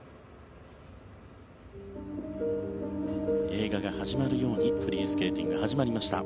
映画が始まるようにフリースケーティングが始まりました。